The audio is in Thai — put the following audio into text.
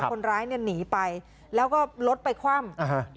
คนร้ายเนี่ยหนีไปแล้วก็รถไปคว่ำอ่าฮะ